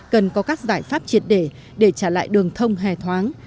cần có các giải pháp triệt để để trả lại đường thông hề thoáng